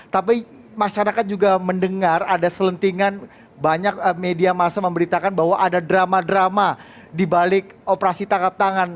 tapi sejajar ini menjadi benar isteris